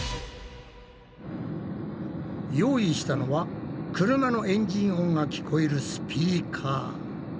用意したのは車のエンジン音が聞こえるスピーカー。